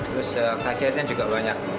terus kesehatannya juga banyak